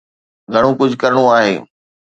گهڻو ڪجهه ڪرڻو آهي.